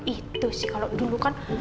itu sih kalau dulu kan